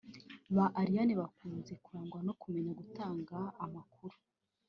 Ba Ariane bakunze kurangwa no kumenya gutanga amakuru